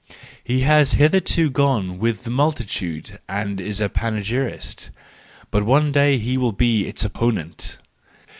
—He has hitherto gone with the multitude and is its panegyrist; but one day he will be its opponent!